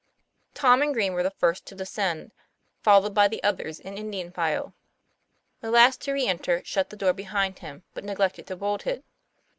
Tom and Green were the first to descend, followed by the others in Indian file. The last to re enter shut the door behind him, but neglected to bolt it.